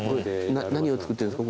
何を作ってるんですか？